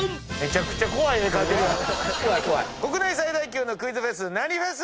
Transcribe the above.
国内最大級のクイズフェス何フェス！